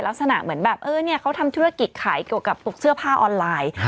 ลักษณะเหมือนแบบเค้าทำธุรกิจขายเกี่ยวกับปลูกเสื้อผ้าออนไลน์